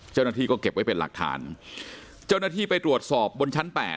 เจ้าหน้าที่ก็เก็บไว้เป็นหลักฐานเจ้าหน้าที่ไปตรวจสอบบนชั้นแปด